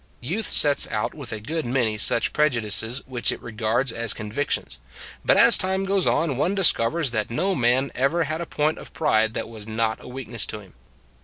Youth sets out with a good many such prejudices which it regards as convictions. But as time goes on, one discovers that no man ever had a point of pride that was not 136 An Oracle 137 a weakness to him.